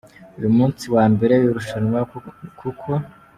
uyu munsi wa mbere w’irushanwa kuko